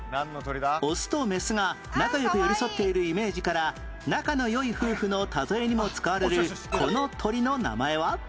オスとメスが仲良く寄り添っているイメージから仲の良い夫婦の例えにも使われるこの鳥の名前は？